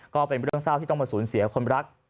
ก็เป็นเรื่องเศร้าที่ต้องมาสูญเสียคนรัก